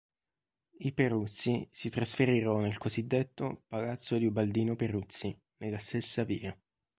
I Peruzzi si trasferirono nel cosiddetto palazzo di Ubaldino Peruzzi, nella stessa via.